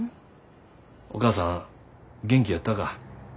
お義母さん元気やったか？